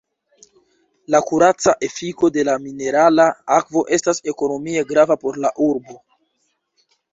La kuraca efiko de la minerala akvo estas ekonomie grava por la urbo.